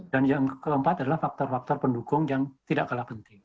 dan yang keempat adalah faktor faktor pendukung yang tidak kalah penting